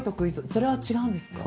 それは違うんですか？